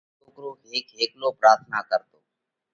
اڳي سوڪرو هيڪ هيڪلو پراٿنا ڪرتو،